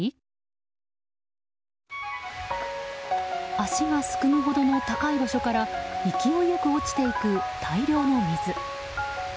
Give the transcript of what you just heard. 足がすくむほどの高い場所から勢いよく落ちていく大量の水。